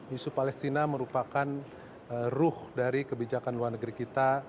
isu palestina merupakan ruh dari kebijakan luar negeri kita